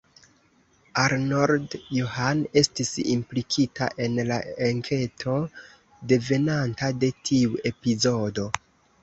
Arnold Johan estis implikita en la enketo devenanta de tiu epizodo.